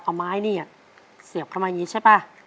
เอาไม้นี่เสียบเข้ามาอย่างนี้ใช่ป่ะ